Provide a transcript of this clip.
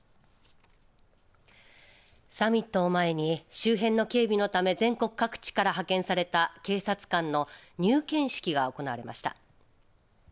サミットを前に周辺の警備のため全国各地から派遣された警察官の入県式が行われました。